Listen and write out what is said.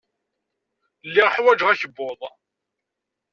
Lliɣ ḥwajeɣ akebbuḍ.